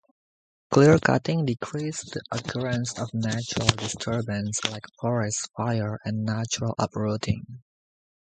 Clearcutting decreases the occurrence of natural disturbances like forest fires and natural uprooting.